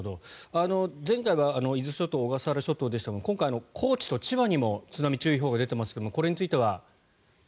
前回は伊豆諸島、小笠原諸島でしたが今回は高知と千葉にも津波注意報が出てますがこれについては。